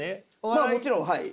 まあもちろんはい。